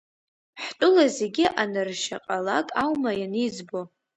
Ҳтәыла зегьы аныршьаҟьалак аума ианиӡбо!